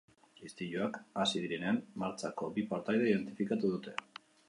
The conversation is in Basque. Istiluak hasi direnean, martxako bi partaide identifikatu dute.